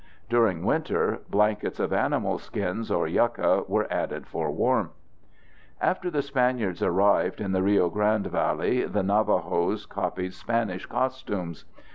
During winter, blankets of animal skins or yucca were added for warmth. After the Spaniards arrived in the Rio Grande Valley, the Navajos copied Spanish costumes.